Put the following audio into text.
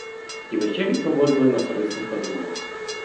І вечері проводили на корисних розмовах.